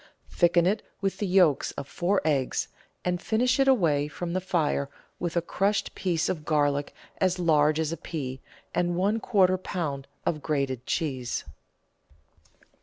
Thicken it with the yolks of four eggs, and finish it away from the fire with a crushed piece of garlic as large as a pea, and one quarter lb. of grated cheese.